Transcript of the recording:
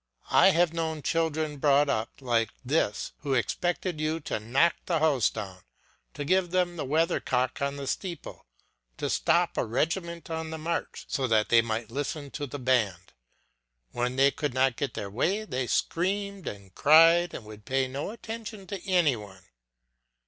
I have known children brought up like this who expected you to knock the house down, to give them the weather cock on the steeple, to stop a regiment on the march so that they might listen to the band; when they could not get their way they screamed and cried and would pay no attention to any one.